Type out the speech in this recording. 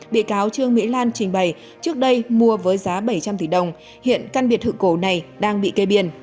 bị cáo trương mỹ lan trình bày trước đây mua với giá bảy trăm linh tỷ đồng hiện căn biệt thự cổ này đang bị cây biên